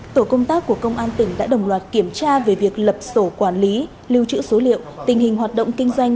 tổ công tác của công an tỉnh đã đồng loạt kiểm tra về việc lập sổ quản lý lưu trữ số liệu tình hình hoạt động kinh doanh